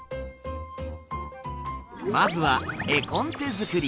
まずは絵コンテ作り。